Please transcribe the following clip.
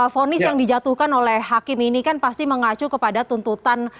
fonis yang dijatuhkan oleh hakim ini kan pasti mengacu kepada tuntutan